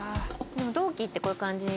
でも同期ってこういう感じ。